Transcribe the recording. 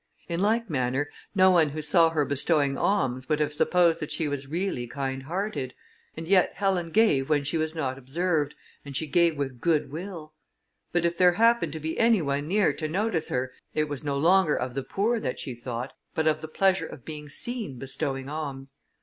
In like manner, no one who saw her bestowing alms would have supposed that she was really kind hearted, and yet Helen gave when she was not observed, and she gave with good will; but if there happened to be any one near to notice her, it was no longer of the poor that she thought, but of the pleasure of being seen bestowing alms.